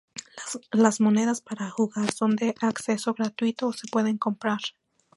Las monedas para jugar son de acceso gratuito o se pueden comprar.